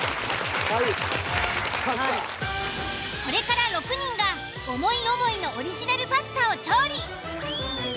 これから６人が思い思いのオリジナルパスタを調理。